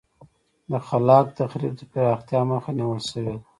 د خلاق تخریب د پراختیا مخه نیول شوې ده.